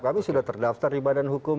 kami sudah terdaftar di badan hukum